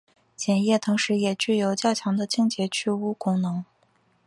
碱液同时也具有较强的清洁去污功能。